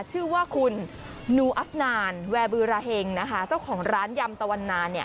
ชื่อว่าคุณนูอัฟนานแวร์บือราเฮงนะคะเจ้าของร้านยำตะวันนานเนี่ย